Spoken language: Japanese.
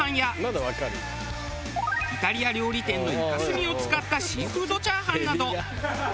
イタリア料理店のイカ墨を使ったシーフードチャーハンなど。